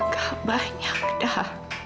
gak banyak dah